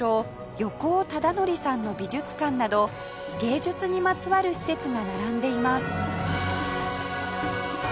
横尾忠則さんの美術館など芸術にまつわる施設が並んでいます